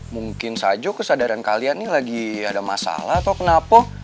mungkin saja kesadaran kalian ini lagi ada masalah atau kenapa